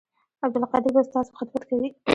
عبدالقدیر به ستاسو خدمت کوي